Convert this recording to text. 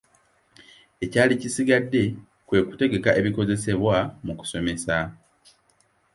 Ekyali kisigadde kwe kutegeka ebikozesebwa mu kusomesa.